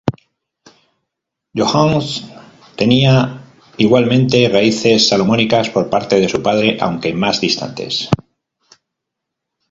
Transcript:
Yohannes tenía igualmente raíces salomónicas por parte de su padre aunque más distantes.